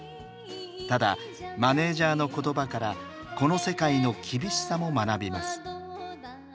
ただマネージャーの言葉からこの世界の厳しさも学びます。